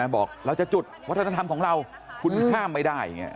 บอกเราจะจุดวัฒนธรรมของเราคุณห้ามไม่ได้